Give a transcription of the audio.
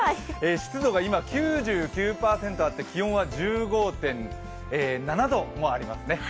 湿度が今９９％あって気温は１５．７度もありますね。